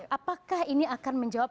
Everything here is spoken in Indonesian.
apakah ini akan menjawab